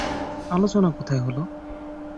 আলোচনা কোথায় হলো?